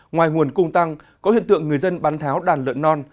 ngoài nguồn cung tăng có hiện tượng người dân bán tháo đàn lợn non